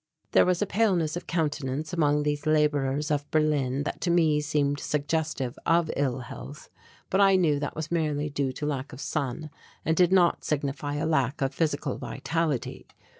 There was a paleness of countenance among these labourers of Berlin that to me seemed suggestive of ill health, but I knew that was merely due to lack of sun and did not signify a lack of physical vitality.